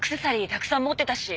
たくさん持ってたし。